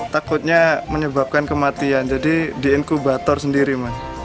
takutnya menyebabkan kematian jadi di inkubator sendiri mas